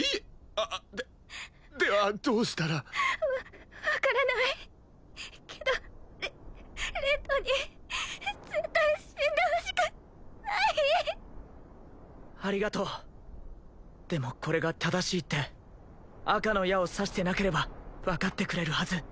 あでではどうしたらわ分からないけどレレッドに絶対死んでほしくないありがとうでもこれが正しいって赤の矢を刺してなければ分かってくれるはず